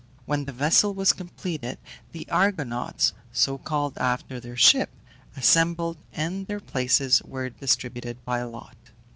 When the vessel was completed, the Argonauts (so called after their ship) assembled, and their places were distributed by lot.